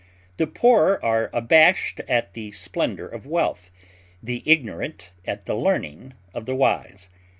The poor are abashed at the splendor of wealth, the ignorant at the learning of the wise.